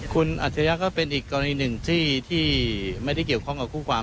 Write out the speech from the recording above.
คุณอัจฉริยะก็เป็นอีกกรณีหนึ่งที่ไม่ได้เกี่ยวข้องกับคู่ความ